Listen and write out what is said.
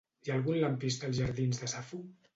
Hi ha algun lampista als jardins de Safo?